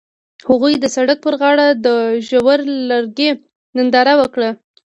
هغوی د سړک پر غاړه د ژور لرګی ننداره وکړه.